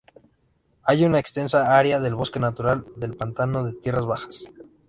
Hay una extensa área del bosque natural del pantano de tierras bajas.